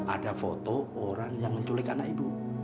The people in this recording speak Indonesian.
ada foto orang yang menculik anak ibu